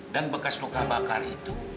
dan bekas luka bakar itu